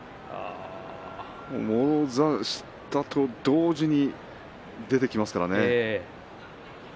もろ差しと同時に出ていきますからね。